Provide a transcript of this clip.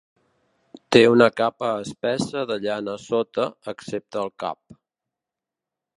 Té una capa espessa de llana a sota, excepte al cap.